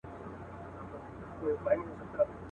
چي پيشو مخي ته راغله برابره.